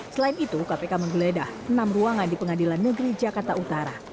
selain itu kpk menggeledah enam ruangan di pengadilan negeri jakarta utara